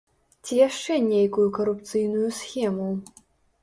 Ці яшчэ нейкую карупцыйную схему?